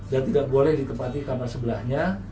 dan tidak boleh ditempatkan kamar sebelahnya